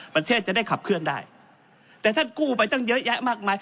ประเทศจะได้ขับเคลื่อนได้แต่ท่านกู้ไปตั้งเยอะแยะมากมาย